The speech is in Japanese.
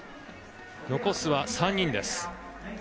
残すは３人です。